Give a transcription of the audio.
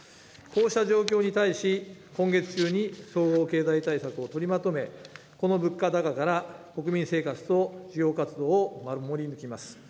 こうした状況に対し、今月中に総合経済対策を取りまとめ、この物価高から国民生活と事業活動を守り抜きます。